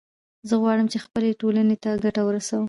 زه غواړم چې خپلې ټولنې ته ګټه ورسوم